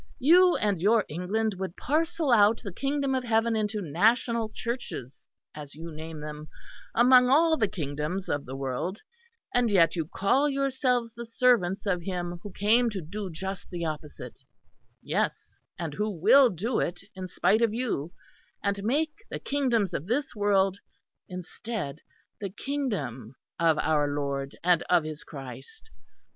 "You and your England would parcel out the Kingdom of heaven into national Churches, as you name them among all the kingdoms of the world; and yet you call yourselves the servants of Him who came to do just the opposite yes, and who will do it, in spite of you, and make the kingdoms of this world, instead, the Kingdom of our Lord and of His Christ.